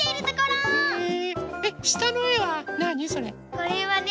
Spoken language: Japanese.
これはね